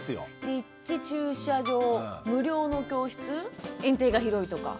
立地駐車場無料の教室園庭が広いとか。